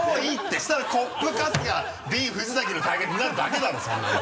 そうしたらコップ・春日ビン・藤崎の対決になるだけだろそんなもの。